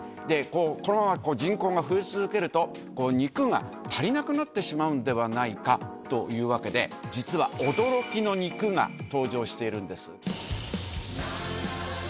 このあと人口が増え続けると、肉が足りなくなってしまうんではないかというわけで、実は驚きの肉が登場しているんです。